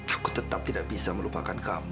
aku tetap tidak bisa melupakan kamu